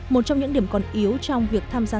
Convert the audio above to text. một trong những điểm còn yếu trong việc tham gia